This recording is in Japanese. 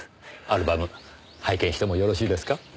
アルバム拝見してもよろしいですか？